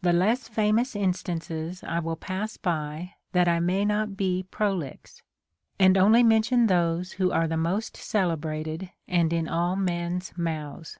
The less famous instances I will pass by, that I may not be prolix, and only mention those who are the most celebrated and in all men s mouths.